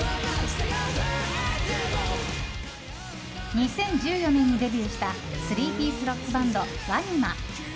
２０１４年にデビューしたスリーピースロックバンドＷＡＮＩＭＡ。